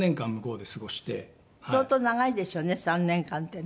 相当長いですよね３年間ってね。